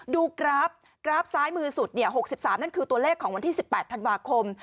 กราฟกราฟซ้ายมือสุด๖๓นั่นคือตัวเลขของวันที่๑๘ธันวาคม